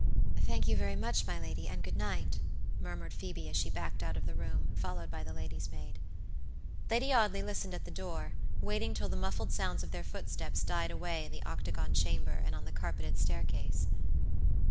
"Thank you very much, my lady, and good night," murmured Phoebe as she backed out of the room, followed by the lady's maid. Lady Audley listened at the door, waiting till the muffled sounds of their footsteps died away in the octagon chamber and on the carpeted staircase.